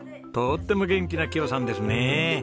とっても元気な木代さんですね。